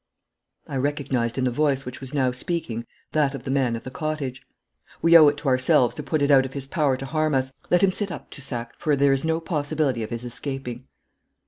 'I recognised in the voice which was now speaking that of the man of the cottage. 'We owe it to ourselves to put it out of his power to harm us. Let him sit up, Toussac, for there is no possibility of his escaping.'